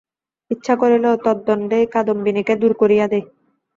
ইচ্ছা করিল তদ্দণ্ডেই কাদম্বিনীকে দূর করিয়া দেয়।